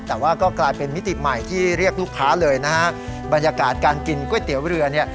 แต่ว่าก็กลายเป็นมิติใหม่ที่เรียกลูกค้าเลยนะฮะบรรยากาศการกินก๋วยเตี๋ยวเรือเนี่ย